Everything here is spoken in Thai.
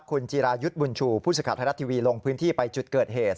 คุณจิรายุทธ์บุญชูผู้สื่อข่าวไทยรัฐทีวีลงพื้นที่ไปจุดเกิดเหตุ